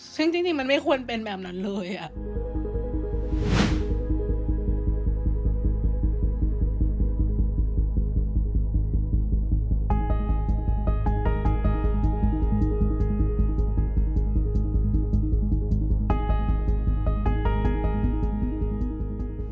ซึ่งจริงมันไม่ควรเป็นแบบนั้นเลยอ่ะ